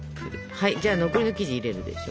はいじゃあ残りの生地入れるでしょ。